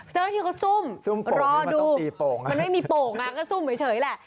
เจ้าหน้าที่เขาซุ่มรอดูมันไม่มีโป่งก็ซุ่มเฉยแหละ